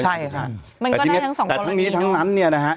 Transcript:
ใช่ค่ะมันก็ได้ทั้งสองคนแต่ทั้งนี้ทั้งนั้นเนี่ยนะฮะ